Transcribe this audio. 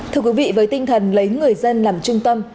thưa quý vị với tinh thần lấy người dân làm trung tâm